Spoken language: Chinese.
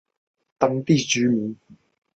但当地居民也受一些特别限制的影响。